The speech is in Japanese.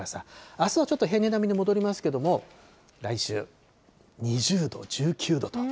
あすはちょっと平年並みに戻りますけれども、来週、２０度、１９度と。